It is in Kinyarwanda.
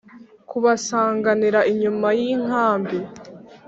Kubasanganira inyuma y inkambi